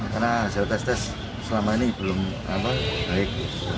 karena hasil tes tes selama ini belum baik